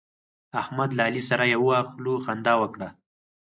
احمد له علي سره یوه خوله خندا وکړه.